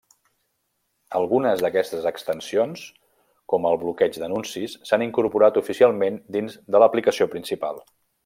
Algunes d'aquestes extensions, com el bloqueig d'anuncis, s'han incorporat oficialment dins de l'aplicació principal.